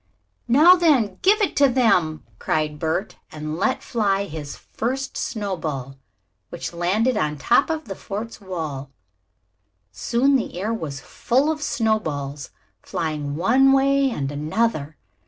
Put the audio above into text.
"Now then, give it to them!" cried Bert, and let fly his first snowball, which landed on the top of the fort's wall. Soon the air was full of snowballs, flying one way and another.